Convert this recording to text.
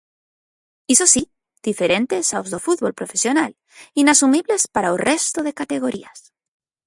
Iso si, diferentes aos do fútbol profesional, inasumibles para o resto de categorías.